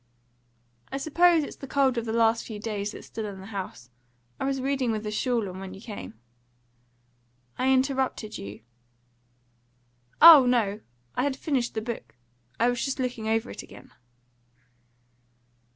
"I suppose it's the cold of the last few days that's still in the house. I was reading with a shawl on when you came." "I interrupted you." "Oh no. I had finished the book. I was just looking over it again."